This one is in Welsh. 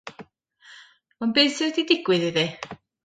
Ond beth sydd wedi digwydd iddi?